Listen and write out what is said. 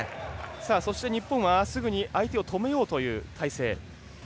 そして日本は、すぐに相手を止めようという体勢。